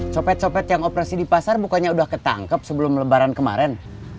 copet copet yang operasi di pasar bukannya sudah ketangkep sebelum lebaran kemarin